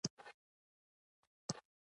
غځېدنه د څومره اوږدې کېدو معنی لري.